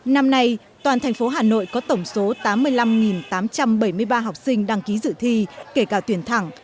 năm nay toàn thành phố hà nội có tổng số tám mươi năm tám trăm bảy mươi ba học sinh đăng ký dự thi kể cả tuyển thẳng